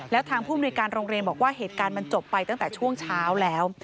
แล้วทางผู้มนุยการโรงเรียนบอกว่าเหตุการณ์มันจบไปตั้งแต่ช่วงเช้าแล้ว